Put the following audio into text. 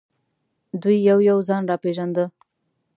دوی یو یو ځان را پېژانده.